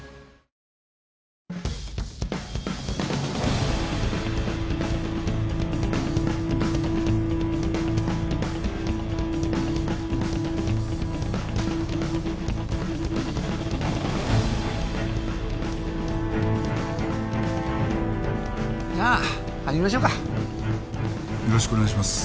よろしくお願いします。